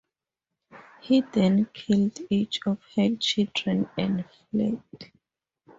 He then killed each of her children and fled.